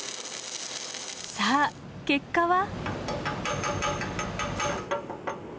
さあ結果は？